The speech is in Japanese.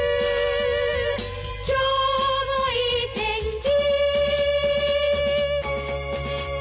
「今日もいい天気」